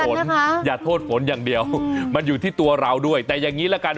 อย่าโทษฝนอย่างเดียวมันอยู่ที่ตัวเราด้วยแต่อย่างนี้ละกัน